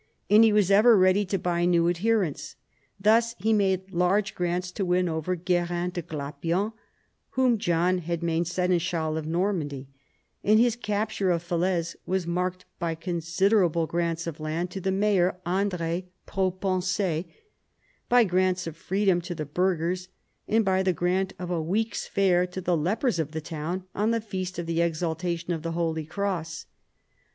And he was ever ready to buy new adherents. Thus he made large grants to win over G uerin de Glapion, whom John had made seneschal of Normandy ; and his capture of Falaise was marked by considerable grants of land to the mayor, Andre Propensee, by grants of freedom to the burghers, and by the grant of a week's fair to the lepers of the town on the feast of the exaltation of the Holy Cross.